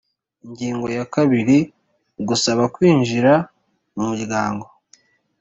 Ingingo ya kabiri Gusaba kwinjira mu muryango